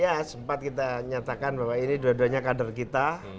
ya sempat kita nyatakan bahwa ini dua duanya kader kita